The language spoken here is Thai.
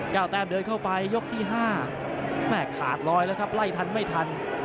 แต้มเดินเข้าไปยกที่ห้าแม่ขาดลอยแล้วครับไล่ทันไม่ทัน